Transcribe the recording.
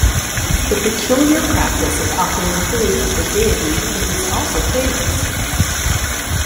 The peculiar practice of offering food of the deity is also famous.